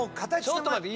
ちょっと待って。